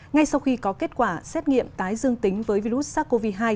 ngay sau khi có kết quả xét nghiệm tái dương tính với virus sars cov hai